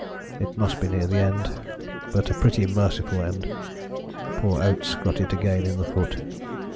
It must be near the end, but a pretty merciful end. Poor Oates got it again in the foot.